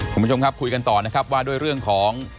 คุณผู้ชมครับคุยกันต่อนะครับว่าด้วยเรื่องของ